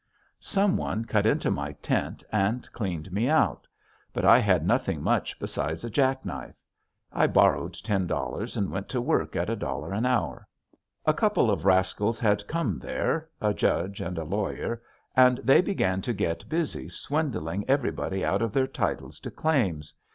"Someone cut into my tent and cleaned me out but I had nothing much besides a jack knife. I borrowed ten dollars and went to work at a dollar an hour. A couple of rascals had come there, a judge and a lawyer; and they began to get busy swindling everybody out of their titles to claims.